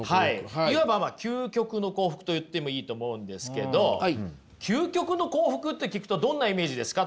いわばまあ「究極の幸福」と言ってもいいと思うんですけど究極の幸福って聞くとどんなイメージですか？